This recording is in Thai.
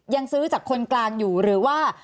ยังซื้อจากคนกลางอยู่หรือว่า